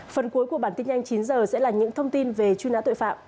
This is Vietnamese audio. phần cuối của bản tin nhanh chín h sẽ là những thông tin về truy nã tội phạm